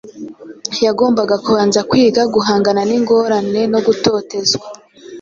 Yagombaga kubanza kwiga guhangana n’ingorane no gutotezwa